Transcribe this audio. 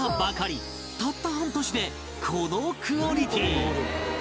たった半年でこのクオリティー！